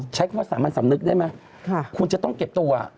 ใช้คำว่าสามัญสำนึกได้ไหมคุณจะต้องเก็บตัว